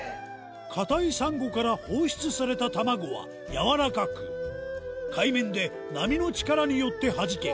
硬いサンゴから放出された卵はやわらかく海面で波の力によってはじけ